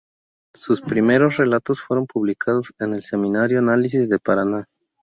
Sus primeros relatos fueron publicados en el semanario Análisis, de Paraná.